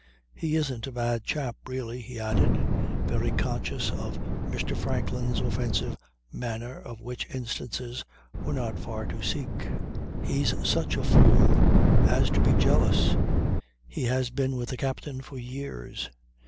"He isn't a bad chap really," he added, very conscious of Mr. Franklin's offensive manner of which instances were not far to seek. "He's such a fool as to be jealous. He has been with the captain for years.